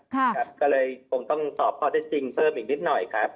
ก็เลยคงต้องตอบข้อได้จริงเพิ่มอีกนิดหน่อยครับ